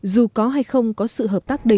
dù có hay không có sự hợp tác đúng